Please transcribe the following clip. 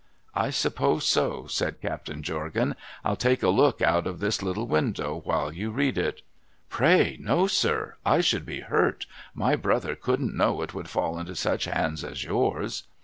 ' I suppose so,' said Captain Jorgan. ' I'll take a look out of tliis little window while you read it.' ' Pray no, sir ! 1 should be hurt. My brother couldn't know it would fall into such hands as yours.'